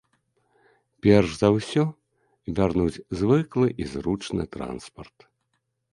Перш за ўсё, вярнуць звыклы і зручны транспарт.